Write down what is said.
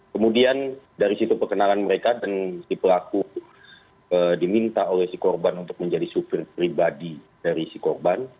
kemudian dari situ perkenalan mereka dan si pelaku diminta oleh si korban untuk menjadi supir pribadi dari si korban